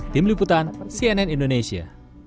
tim liputan cnn indonesia